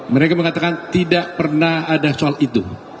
mereka mengatakan tidak pernah ada soal itu